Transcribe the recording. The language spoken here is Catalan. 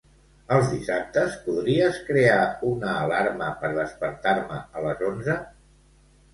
Els dissabtes podries crear una alarma per despertar-me a les onze?